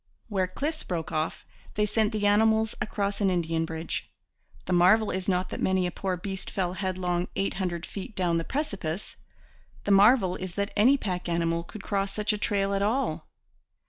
Where cliffs broke off, they sent the animals across an Indian bridge. The marvel is not that many a poor beast fell headlong eight hundred feet down the precipice. The marvel is that any pack animal could cross such a trail at all.